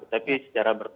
tapi secara berbeda